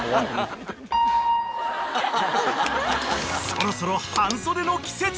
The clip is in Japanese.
［そろそろ半袖の季節］